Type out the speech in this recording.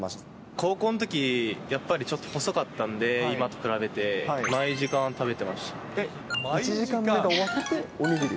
高校のとき、やっぱりちょっと細かったんで、今と比べて、１時間目が終わって、お握り。